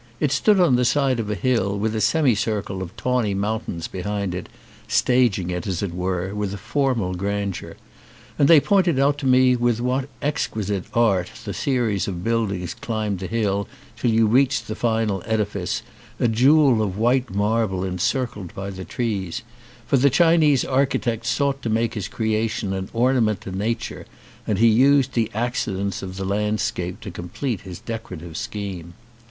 It stood on the side of a hill with a semi circle of tawny mountains behind it, staging it, as it were, with a formal grandeur; and they pointed out to me with what exquisite art the series of buildings climbed the hill till you reached the final edifice, a jewel of white marble encircled by the trees; for the Chinese architect sought to make his creation an ornament to nature and he used the accidents of the landscape to complete his decorative scheme.